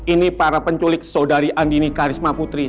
ini para penculik saudari andini karisma putri